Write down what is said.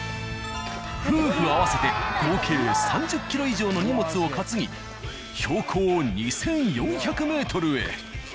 夫婦合わせて合計３０ｋｇ以上の荷物を担ぎ標高２４００ｍへ。